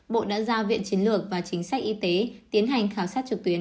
bộ đã giao viện chiến lược và chính sách y tế tiến hành khảo sát trực tuyến